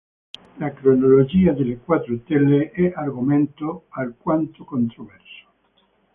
La cronologia delle quattro tele è argomento alquanto controverso.